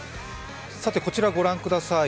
こちらをご覧ください。